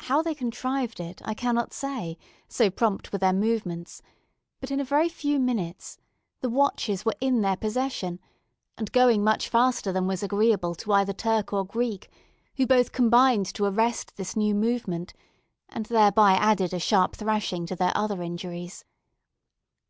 How they contrived it, I cannot say, so prompt were their movements; but, in a very few minutes, the watches were in their possession, and going much faster than was agreeable either to Turk or Greek, who both combined to arrest this new movement, and thereby added a sharp thrashing to their other injuries.